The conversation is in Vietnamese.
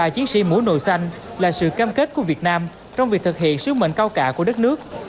sáu mươi ba chiến sĩ mũ nội xanh là sự cam kết của việt nam trong việc thực hiện sứ mệnh cao cả của đất nước